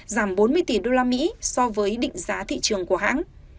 giảm bốn mươi tỷ usd so với định giá thị trường của hãng